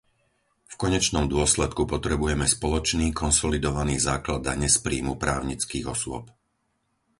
V konečnom dôsledku potrebujeme spoločný konsolidovaný základ dane z príjmu právnických osôb.